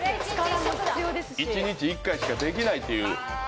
一日１回しかできないという。